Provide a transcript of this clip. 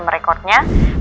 aku pen satan